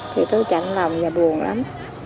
thì tôi chạnh lòng và buồn lắm